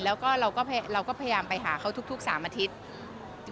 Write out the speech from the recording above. แล้วก็เราก็พยายามไปหาเขาทุก๓อาทิตย์